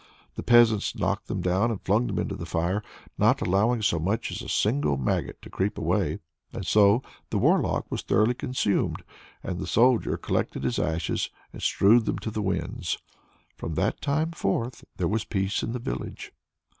The peasants knocked them down and flung them into the fire, not allowing so much as a single maggot to creep away! And so the Warlock was thoroughly consumed, and the Soldier collected his ashes and strewed them to the winds. From that time forth there was peace in the village.